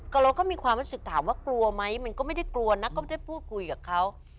เราก็มีความรู้สึกถามว่ากลัวไหมมันก็ไม่ได้กลัวนะก็ไม่ได้พูดคุยกับเขา